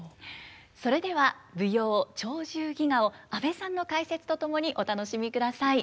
それでは舞踊「鳥獣戯画」を阿部さんの解説と共にお楽しみください。